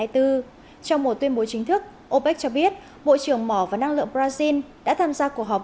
trong một tuyên bố chính thức opec cho biết bộ trưởng mỏ và năng lượng brazil đã tham gia cuộc họp